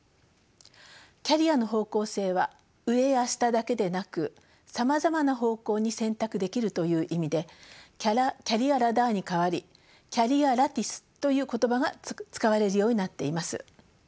キャリアの方向性は上や下だけでなくさまざまな方向に選択できるという意味でキャリア・ラダーに代わりキャリア・ラティスという言葉が使われるようになっています。